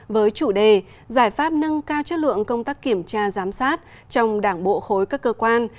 với chủ đề giải pháp nâng cao chất lượng công tác kiểm tra giám sát trong đảng bộ khối các cơ quan